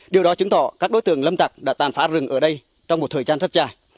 điều đó chứng tỏ các đối tượng lâm tặc đã tàn phá rừng ở đây trong một thời gian rất dài